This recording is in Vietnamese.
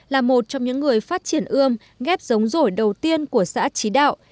là một trong những người phát triển ươm ghép giống rổi đầu tiên của xã trí đạo